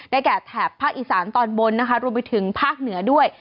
แก่แถบภาคอีสานตอนบนนะคะรวมไปถึงภาคเหนือด้วย